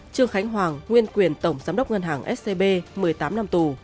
trương khánh hoàng nguyên quyền tổng giám đốc ngân hàng scb một mươi tám năm tù